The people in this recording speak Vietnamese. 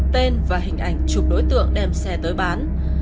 tên và hình ảnh chụp đối tượng đem xe tới bán